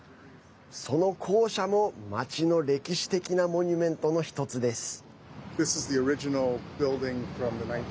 その校舎も、街の歴史的なモニュメントの１つです。